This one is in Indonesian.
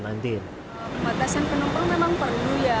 pembatasan penumpang memang perlu ya